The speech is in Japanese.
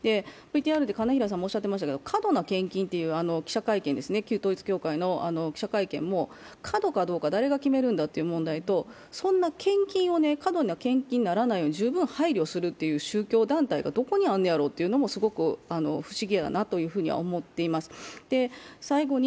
金平さんもおっしゃっていましたが、過度な献金っていう過度、旧統一教会の記者会見も、過度かどうか誰が決めるんだという問題と、そんな献金を過度にならないように十分配慮するという宗教団体がどこにあるのやろうというのはすごく不思議やなとは思っています。